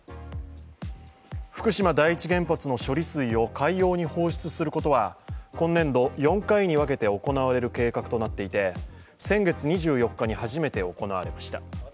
福島第一原発の処理水を海洋に放出することは今年度４回に分けて行われる計画となっていて先月２４日に初めて行われました。